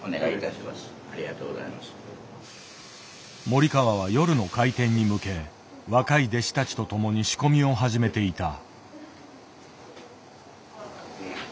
森川は夜の開店に向け若い弟子たちと共に仕込みを始めていた。